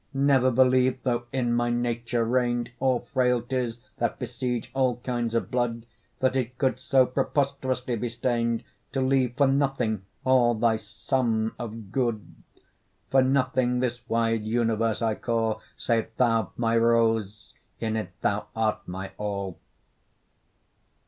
Never believe though in my nature reign'd, All frailties that besiege all kinds of blood, That it could so preposterously be stain'd, To leave for nothing all thy sum of good; For nothing this wide universe I call, Save thou, my rose, in it thou art my all.